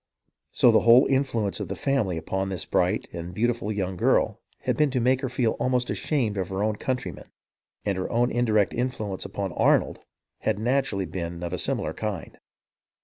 So the whole influence of the family upon this bright and beautiful young girl had been to make her feel almost ashamed of her own country men, and her own indirect influence upon Arnold had naturally been of a similar kind.